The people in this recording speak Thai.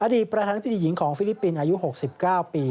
ประธานธิบดีหญิงของฟิลิปปินส์อายุ๖๙ปี